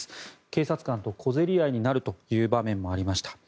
警察官と小競り合いになるという場面もありました。